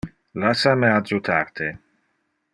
Lassa me te adjutar.